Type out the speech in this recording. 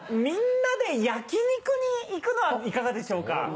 みんなで焼き肉に行くのはいかがでしょうか。